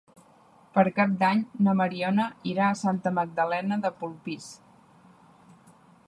Per Cap d'Any na Mariona irà a Santa Magdalena de Polpís.